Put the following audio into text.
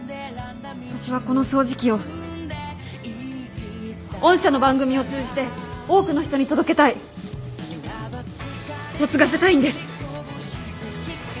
私はこの掃除機を御社の番組を通じて多くの人に届けたい嫁がせたいんです。